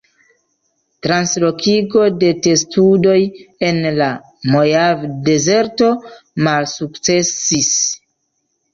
Translokigo de testudoj en la Mojave-Dezerto malsukcesis.